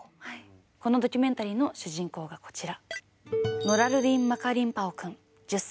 このドキュメンタリーの主人公がこちら。